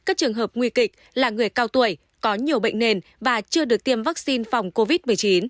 các trường hợp nguy kịch là người cao tuổi có nhiều bệnh nền và chưa được tiêm vaccine phòng covid một mươi chín